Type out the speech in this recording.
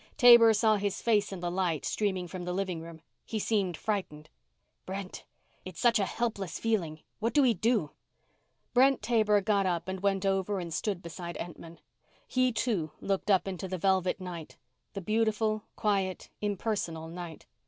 Taber saw his face in the light streaming from the living room he seemed frightened. "Brent! It's such a helpless feeling. What do we do?" Brent Taber got up and went over and stood beside Entman. He, too, looked up into the velvet night; the beautiful, quiet, impersonal night.